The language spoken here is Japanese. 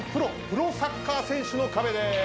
プロサッカー選手の壁です。